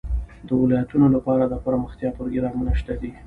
د ولایتونو لپاره دپرمختیا پروګرامونه شته دي.